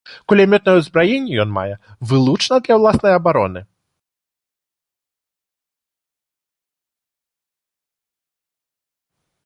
Кулямётнае ўзбраенне ён мае вылучна для ўласнай абароны.